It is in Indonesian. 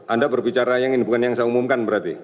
anda berbicara yang ini bukan yang saya umumkan berarti